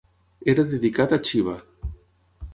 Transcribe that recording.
Era dedicat a Xiva.